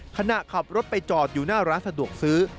ขณะขับรถไปจอดอยู่หน้าร้านสะดวกซื้อ